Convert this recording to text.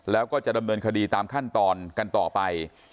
แล้วก็จะดำเนินคดีตามขั้นตอนกันต่อไป